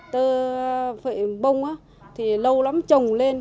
tơ vệ bông thì lâu lắm trồng lên